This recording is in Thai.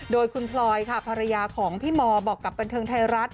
โดยคุณพลอยค่ะภรรยาของพี่มอบอกกับบันเทิงไทยรัฐ